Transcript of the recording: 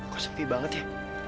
kok sepi banget ya